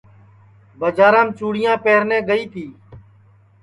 بڄارام چُڑیاں پہرنے گائی تی